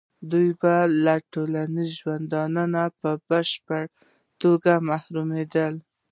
دوی به له ټولنیز ژونده په بشپړه توګه محرومېدل.